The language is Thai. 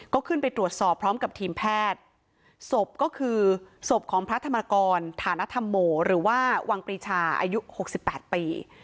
ก็ขึ้นไปตรวจสอบพร้อมกับทีมแพทย์ศพก็คือศพของพระธรรมกรฐานธรรมโมหรือว่าวังปรีชาอายุหกสิบแปดปี